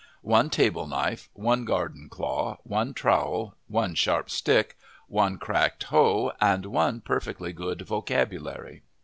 one table knife, one garden claw, one trowel, one sharp stick, one cracked hoe, and one perfectly good vocabulary.